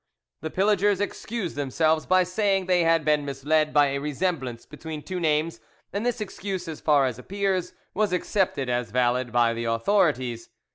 The pillagers excused themselves by saying they had been misled by a resemblance between two names, and this excuse, as far as appears, was accepted as valid by the authorities.